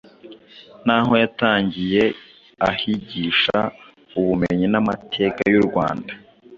Naho yatangiye ahigisha Ubumenyi n’Amateka y’u Rwanda.